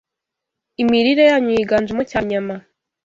Imirire yanyu yiganjemo cyane inyama